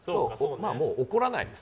もう怒らないです。